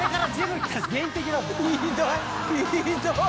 ひどい。